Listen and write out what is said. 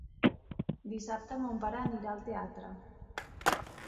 Dissabte mon pare anirà al teatre.